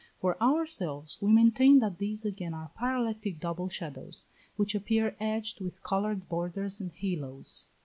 For ourselves, we maintain that these again are parallactic double shadows, which appear edged with coloured borders and halos.